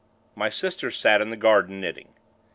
My sister sat in the garden, knitting.